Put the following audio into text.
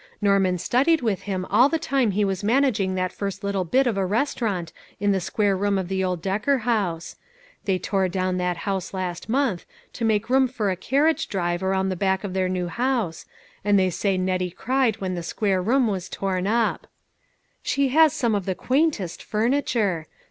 Norman studied with him all the time he was manairinsr that first little bit of a restaurant o o in the square room of the old Decker house. They tore down that house last month, to make room for a carriage drive around the back of THE PAST AND PRESENT. 435 their new house, and they say Nettie cried when the square room was torn up. " She has some of the quaintest furniture